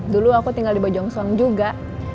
dulu aku tinggal di bojongsong juga